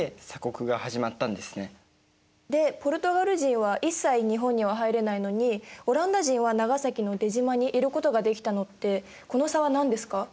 でポルトガル人は一切日本には入れないのにオランダ人は長崎の出島にいることができたのってこの差は何ですか？